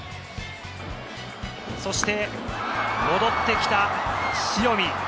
そして、戻ってきた塩見。